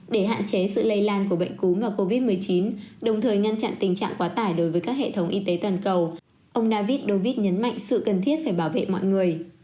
để hạn chế sự lây lan của bệnh cúm và covid một mươi chín đồng thời ngăn chặn tình trạng quá tải đối với các hệ thống y tế toàn cầu ông navid rovid nhấn mạnh sự cần thiết phải bảo vệ mọi người